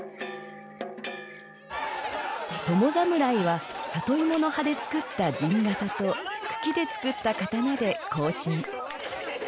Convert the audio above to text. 供侍は里芋の葉で作った陣笠と茎で作った刀で行進。